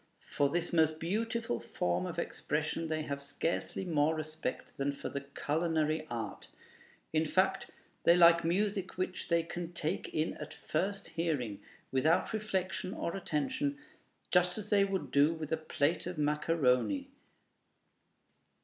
For this most beautiful form of expression they have scarcely more respect than for the culinary art. In fact, they like music which they can take in at first hearing, without reflection or attention, just as they would do with a plate of macaroni.